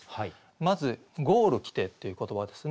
まず「ゴール来て」っていう言葉ですね。